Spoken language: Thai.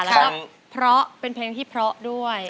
แล้วก็เพราะเป็นเพลงที่เพราะด้วย